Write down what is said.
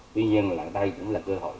tuy nhiên là đây cũng là cơ hội